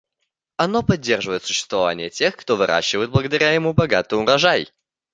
Оно поддерживает существование тех, кто выращивает благодаря ему богатый урожай.